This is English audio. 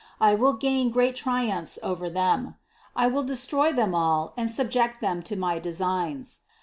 I will gain great triumphs over them ; I will destroy them all and subject them to my designs.